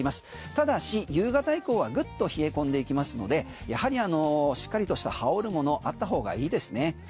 ただし夕方以降はグッと冷え込んでいきますのでやはりしっかりとした羽織るものあった方がいいですね